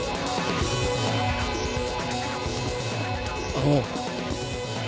あの。